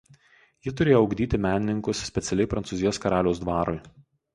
Ji turėjo ugdyti menininkus specialiai Prancūzijos karaliaus dvarui.